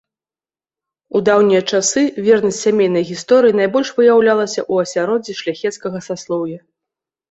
У даўнія часы вернасць сямейнай гісторыі найбольш выяўлялася ў асяроддзі шляхецкага саслоўя.